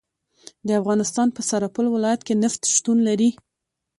د افغانستان په سرپل ولایت کې نفت شتون لري